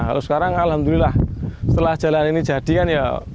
kalau sekarang alhamdulillah setelah jalan ini jadi kan ya